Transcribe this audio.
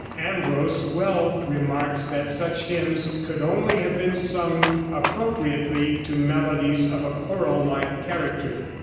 Ambros well remarks that such hymns could only have been sung appropriately to melodies of a choral like character.